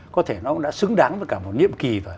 có thể nó cũng đã xứng đáng với cả một nhiệm kỳ